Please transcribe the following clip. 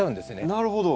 なるほど。